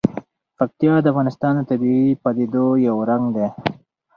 پکتیا د افغانستان د طبیعي پدیدو یو رنګ دی.